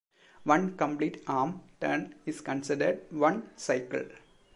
One complete arm turn is considered one cycle.